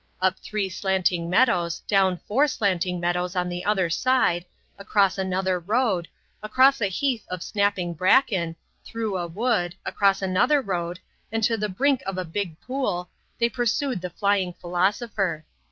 Up three slanting meadows, down four slanting meadows on the other side, across another road, across a heath of snapping bracken, through a wood, across another road, and to the brink of a big pool, they pursued the flying philosopher.